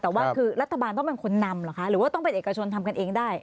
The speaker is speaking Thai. แต่ว่าคือรัฐบาลต้องเป็นคนนำเหรอคะหรือว่าต้องเป็นเอกชนทำกันเองได้